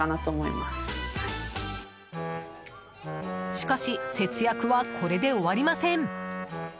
しかし、節約はこれで終わりません！